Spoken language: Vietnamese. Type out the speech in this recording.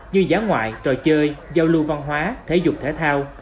như giá ngoại trò chơi giao lưu văn hóa thể dục thể thao